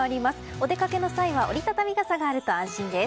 お出かけの際は折り畳み傘があると安心です。